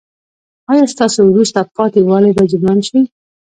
ایا ستاسو وروسته پاتې والی به جبران شي؟